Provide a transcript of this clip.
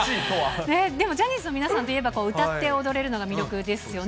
でもジャニーズの皆さんといえば歌って踊れるのが魅力ですよね。